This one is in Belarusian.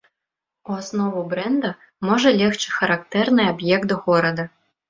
У аснову брэнда можа легчы характэрны аб'ект горада.